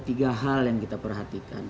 tiga hal yang kita perhatikan